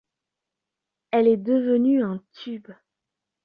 Elle est devenue un tube.